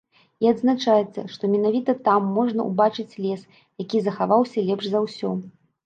І адзначаецца, што менавіта там можна ўбачыць лес, які захаваўся лепш за ўсё.